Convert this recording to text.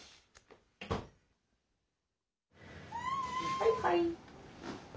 はいはい。